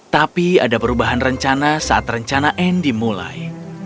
tapi ada perubahan rencana saat rencana anne dimulai